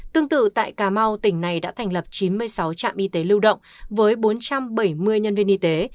tương tự tại cà mau tỉnh này đã thành lập chín mươi sáu trạm y tế lưu động với bốn trăm bảy mươi nhân viên y tế